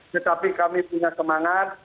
tetapi kami punya semangat